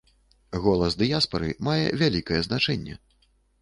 Голас дыяспары мае вялікае значэнне.